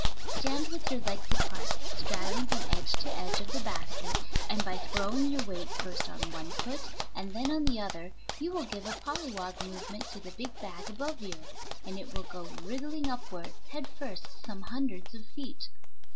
Stand with your legs apart, straddling from edge to edge of the basket, and by throwing your weight first on one foot and then on the other you will give a polliwog movement to the big bag above you, and it will go wriggling upward head first some hundreds of feet.